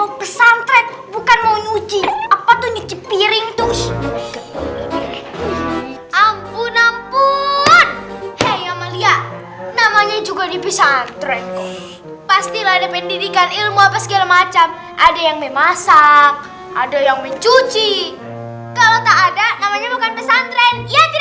ustadz amel yang protes kita itu disini mau pesantren bukan mau nyuci apa tuh nyuci piring tuh